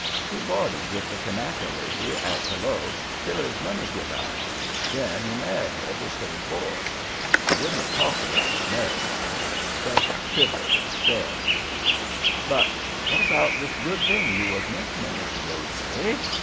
He boarded with the Kanaka lady at Hello till his money give out, and then he married her to save board. He wouldn't talk about his married life just shivered instead. "'But w'at about this good thing you was mentioning, Mr. Rosebury?'